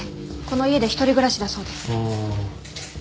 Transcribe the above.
この家で一人暮らしだそうです。